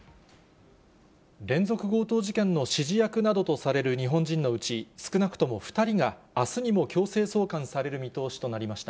連続強盗事件の指示役などとされる日本人のうち、少なくとも２人が、あすにも強制送還される見通しとなりました。